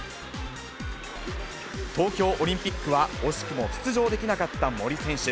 東京オリンピックは惜しくも出場できなかった森選手。